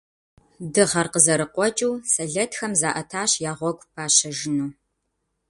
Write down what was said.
Дыгъэр къызэрыкъуэкӏыу, сэлэтхэм заӏэтащ я гъуэгу пащэжыну.